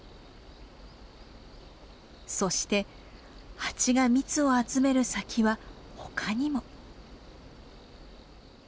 そしてハチが蜜を集める先は他にも。